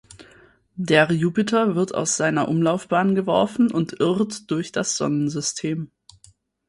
Der Jupiter wird aus seiner Umlaufbahn geworfen und irrt durch das Sonnensystem.